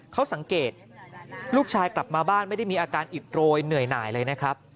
เขาสังเกตลูกชายกลับมาบ้านไม่ได้มีอาการอิดโรยเหนื่อยหน่ายเลยนะครับ